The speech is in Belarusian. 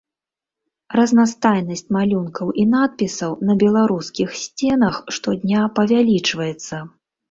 Разнастайнасць малюнкаў і надпісаў на беларускіх сценах штодня павялічваецца.